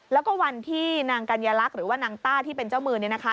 แล้วก็วันที่นางกัญลักษณ์หรือว่านางต้าที่เป็นเจ้ามือเนี่ยนะคะ